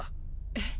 えっ？